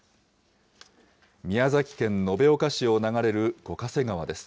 宮崎県延岡市を流れる五ヶ瀬川です。